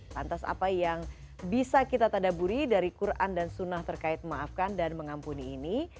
lantas apa yang bisa kita tadaburi dari quran dan sunnah terkait memaafkan dan mengampuni ini